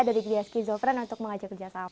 dari griasio sofren untuk mengajak kerja sama